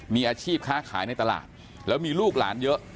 มีอาชีพค้าขายในตลาดแล้วมีลูกหลานเยอะ